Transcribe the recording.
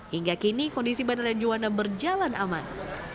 hingga kini kondisi bandara juanda berjalan aman